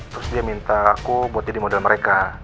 terus dia minta aku buat jadi model mereka